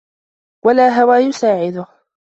وَلَا هَوًى يُسَاعِدُهُ